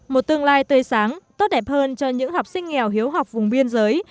một tương lai tươi sáng tốt đẹp hơn cho những học sinh nghèo hiếu học vùng biên giới